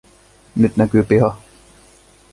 Nyt näkyy piha.